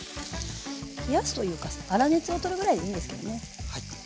冷やすというか粗熱をとるぐらいでいいんですけどね。